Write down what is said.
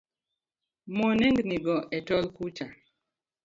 Mo nengni go e tol kucha.